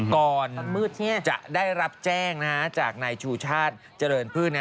ก่อนจะได้รับแจ้งจากนายชูชาติเจริญพืช